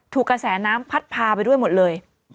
กระแสน้ำพัดพาไปด้วยหมดเลย